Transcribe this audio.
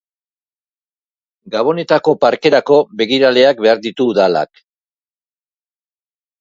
Familia bat osatu dute eta irakasle lanetan aritzen dira.